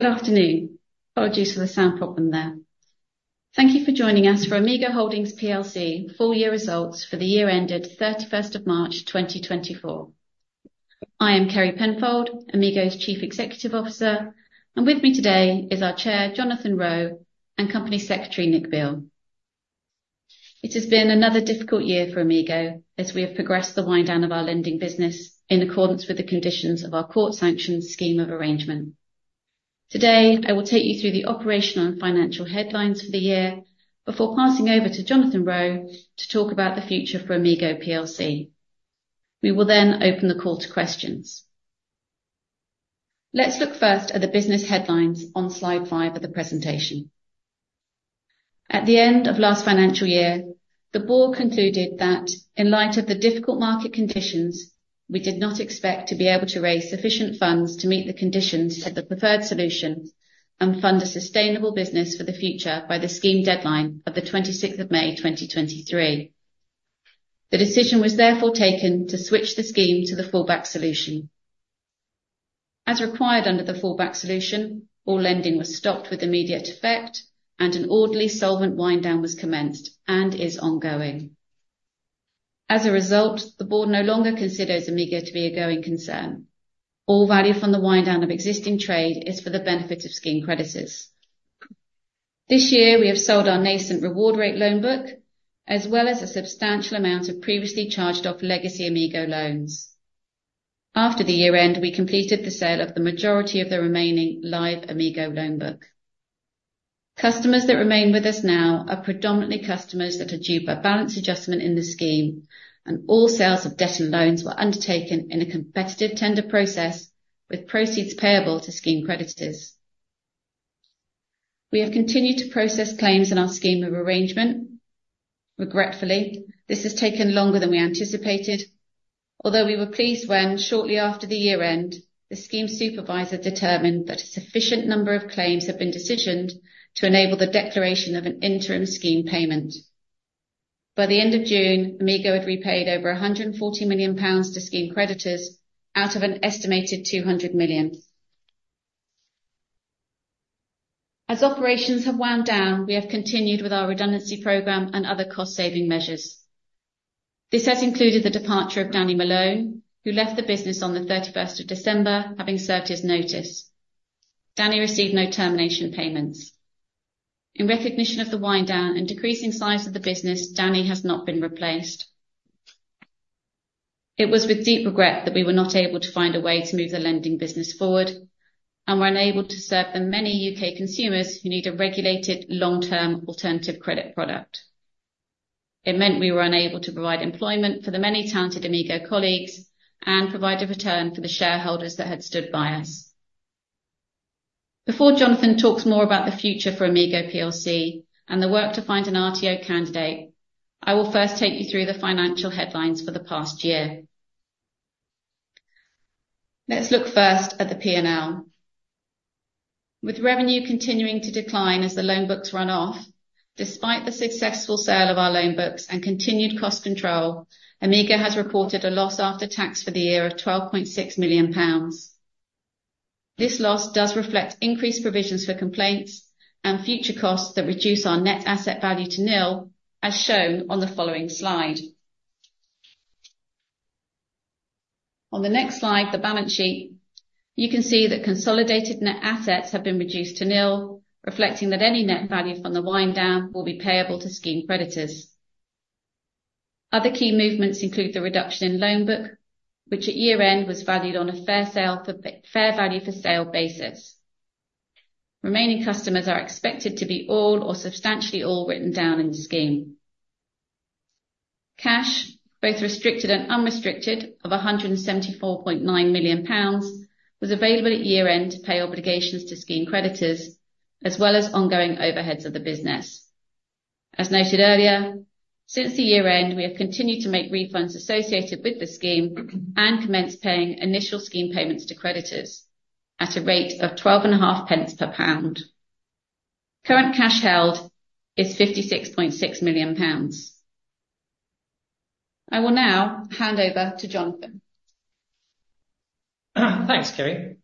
Good afternoon. Apologies for the sound problem there. Thank you for joining us for Amigo Holdings PLC full year results for the year ended 31st of March, 2024. I am Kerry Penfold, Amigo's Chief Executive Officer, and with me today is our Chair, Jonathan Roe, and Company Secretary, Nick Beal. It has been another difficult year for Amigo as we have progressed the wind down of our lending business in accordance with the conditions of our court-sanctioned Scheme of Arrangement. Today, I will take you through the operational and financial headlines for the year before passing over to Jonathan Roe to talk about the future for Amigo PLC. We will then open the call to questions. Let's look first at the business headlines on slide 5 of the presentation. At the end of last financial year, the board concluded that in light of the difficult market conditions, we did not expect to be able to raise sufficient funds to meet the conditions set the Preferred Solution and fund a sustainable business for the future by the Scheme deadline of the twenty-sixth of May, 2023. The decision was therefore taken to switch the Scheme to the Fallback Solution. As required under the Fallback Solution, all lending was stopped with immediate effect, and an orderly solvent wind down was commenced and is ongoing. As a result, the board no longer considers Amigo to be a going concern. All value from the wind down of existing trade is for the benefit of Scheme creditors. This year, we have sold our nascent RewardRate loan book, as well as a substantial amount of previously charged-off legacy Amigo loans. After the year end, we completed the sale of the majority of the remaining live Amigo loan book. Customers that remain with us now are predominantly customers that are due by balance adjustment in the scheme, and all sales of debt and loans were undertaken in a competitive tender process, with proceeds payable to scheme creditors. We have continued to process claims in our scheme of arrangement. Regretfully, this has taken longer than we anticipated, although we were pleased when, shortly after the year end, the Scheme supervisor determined that a sufficient number of claims have been decisioned to enable the declaration of an interim scheme payment. By the end of June, Amigo had repaid over 140 million pounds to scheme creditors out of an estimated 200 million. As operations have wound down, we have continued with our redundancy program and other cost-saving measures. This has included the departure of Danny Malone, who left the business on December 31, having served his notice. Danny received no termination payments. In recognition of the wind down and decreasing size of the business, Danny has not been replaced. It was with deep regret that we were not able to find a way to move the lending business forward and were unable to serve the many UK consumers who need a regulated, long-term alternative credit product. It meant we were unable to provide employment for the many talented Amigo colleagues and provide a return for the shareholders that had stood by us. Before Jonathan talks more about the future for Amigo PLC and the work to find an RTO candidate, I will first take you through the financial headlines for the past year. Let's look first at the P&L. With revenue continuing to decline as the loan books run off, despite the successful sale of our loan books and continued cost control, Amigo has reported a loss after tax for the year of 12.6 million pounds. This loss does reflect increased provisions for complaints and future costs that reduce our net asset value to nil, as shown on the following slide. On the next slide, the balance sheet, you can see that consolidated net assets have been reduced to nil, reflecting that any net value from the wind down will be payable to scheme creditors. Other key movements include the reduction in loan book, which at year-end was valued on a fair value for sale basis. Remaining customers are expected to be all or substantially all written down in the scheme. Cash, both restricted and unrestricted, of 174.9 million pounds was available at year-end to pay obligations to scheme creditors, as well as ongoing overheads of the business. As noted earlier, since the year-end, we have continued to make refunds associated with the scheme and commenced paying initial scheme payments to creditors at a rate of 12.5 pence per pound. Current cash held is 56.6 million pounds. I will now hand over to Jonathan. Thanks, Kerry.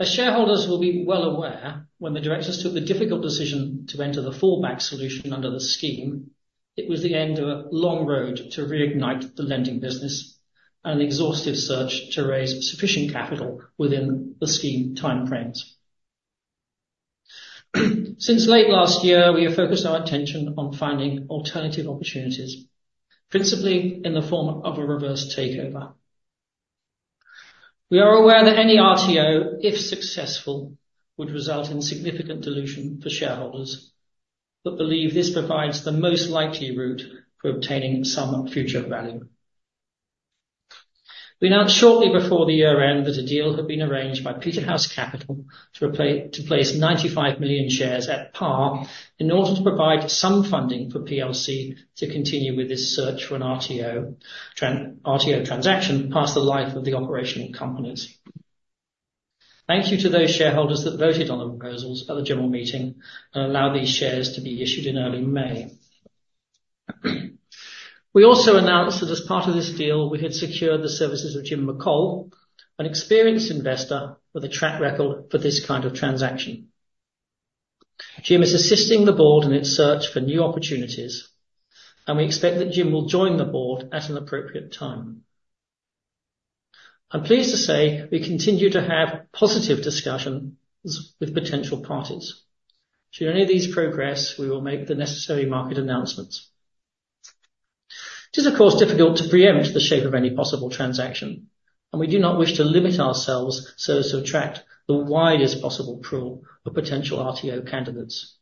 As shareholders will be well aware, when the directors took the difficult decision to enter the fallback solution under the scheme, it was the end of a long road to reignite the lending business and an exhaustive search to raise sufficient capital within the scheme timeframes. Since late last year, we have focused our attention on finding alternative opportunities, principally in the form of a reverse takeover. We are aware that any RTO, if successful, would result in significant dilution for shareholders, but believe this provides the most likely route to obtaining some future value. We announced shortly before the year-end that a deal had been arranged by Peterhouse Capital to place 95 million shares at par in order to provide some funding for PLC to continue with this search for an RTO transaction past the life of the operational company. Thank you to those shareholders that voted on the proposals at the general meeting and allowed these shares to be issued in early May. We also announced that as part of this deal, we had secured the services of Jim McColl, an experienced investor with a track record for this kind of transaction. Jim is assisting the board in its search for new opportunities, and we expect that Jim will join the board at an appropriate time. I'm pleased to say we continue to have positive discussions with potential parties. Should any of these progress, we will make the necessary market announcements. It is, of course, difficult to preempt the shape of any possible transaction, and we do not wish to limit ourselves so as to attract the widest possible pool of potential RTO candidates.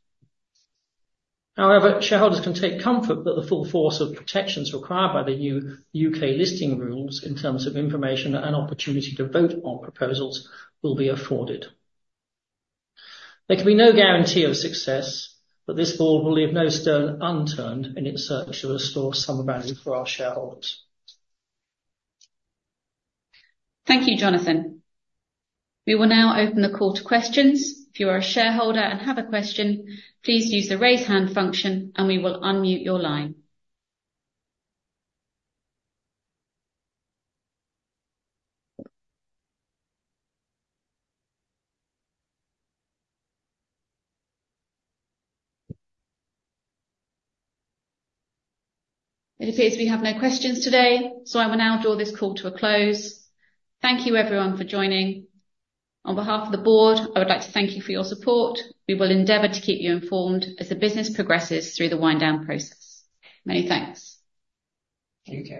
However, shareholders can take comfort that the full force of protections required by the new U.K. Listing Rules, in terms of information and opportunity to vote on proposals, will be afforded. There can be no guarantee of success, but this board will leave no stone unturned in its search to restore some value for our shareholders. Thank you, Jonathan. We will now open the call to questions. If you are a shareholder and have a question, please use the Raise Hand function, and we will unmute your line. It appears we have no questions today, so I will now draw this call to a close. Thank you, everyone, for joining. On behalf of the board, I would like to thank you for your support. We will endeavor to keep you informed as the business progresses through the wind down process. Many thanks. Thank you.